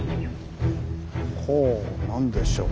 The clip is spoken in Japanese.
ほぉ何でしょう？